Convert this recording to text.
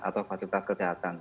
atau fasilitas kesehatan